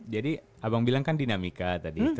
jadi abang bilang kan dinamika tadi